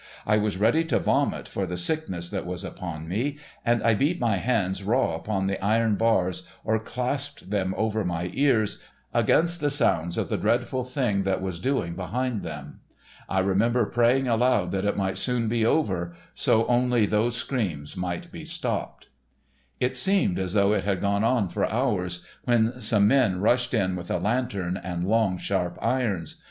I was ready to vomit for the sickness that was upon me, and I beat my hands raw upon the iron bars or clasped them over my ears, against the sounds of the dreadful thing that was doing behind them. I remember praying aloud that it might soon be over, so only those screams might be stopped. It seemed as though it had gone on for hours, when some men rushed in with a lantern and long, sharp irons.